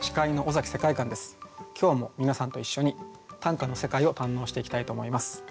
今日も皆さんと一緒に短歌の世界を堪能していきたいと思います。